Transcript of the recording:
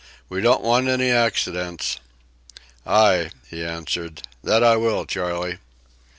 "We don't want any accidents." "Ay," he answered, "that I will, Charley."